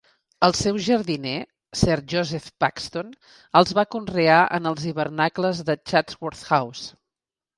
El seu jardiner, Sir Joseph Paxton els va conrear en els hivernacles de Chatsworth House.